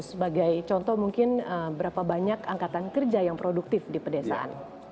sebagai contoh mungkin berapa banyak angkatan kerja yang produktif di pedesaan